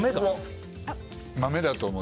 豆だと思う。